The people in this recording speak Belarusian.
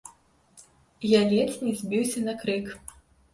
Я ледзь не збіўся на крык.